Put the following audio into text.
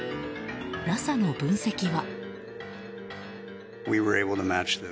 ＮＡＳＡの分析は。